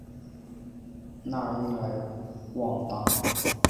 讷伊莱旺丹。